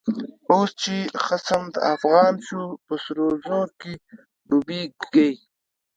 اوس چی خصم د افغان شو، په سرو زرو کی ډوبيږی